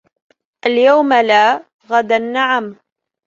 اليوم لا ، غدا نعم.